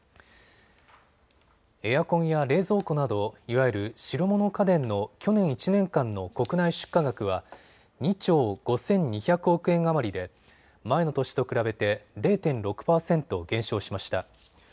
エアコンや冷蔵庫などいわゆる白物家電の去年１年間の国内出荷額は２兆５２００億円余りで前の年と比べて０．６％減少しました。